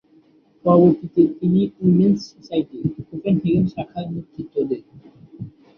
পরবর্তিতে তিনি উইমেন্স সোসাইটির কোপেনহেগেন শাখার নেতৃত্ব দেন।